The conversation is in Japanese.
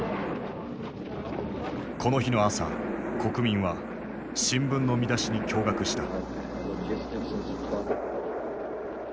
この日の朝国民は新聞の見出しに驚がくした。